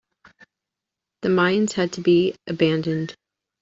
The mines had to be abandoned.